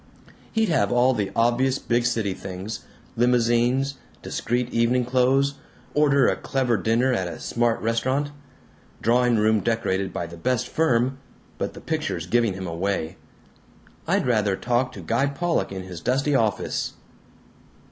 He'd have all the obvious big city things. Limousines. Discreet evening clothes. Order a clever dinner at a smart restaurant. Drawing room decorated by the best firm but the pictures giving him away. I'd rather talk to Guy Pollock in his dusty office.